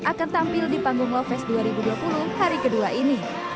akan tampil di panggung lovest dua ribu dua puluh hari kedua ini